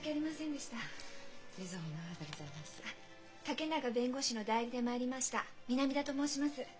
竹永弁護士の代理で参りました南田と申します。